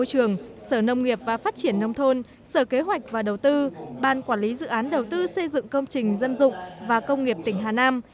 dự kế hoạch và đầu tư ban quản lý dự án đầu tư xây dựng công trình dân dụng và công nghiệp tỉnh hà nam